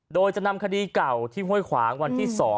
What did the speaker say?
โดยจะนำคดีเก่าที่ห้วยขวางวันที่๒